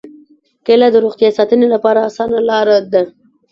کېله د روغتیا ساتنې لپاره اسانه لاره ده.